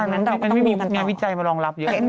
นาไม่มีใจมารองรับเยอะ